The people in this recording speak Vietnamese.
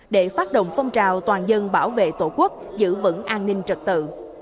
để phát động phong trào toàn dân bảo vệ tổ quốc giữ vững an ninh trật tự